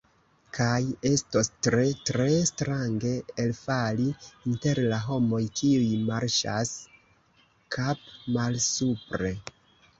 Kaj estos tre, tre strange elfali inter la homoj kiuj marŝas kapmalsupre!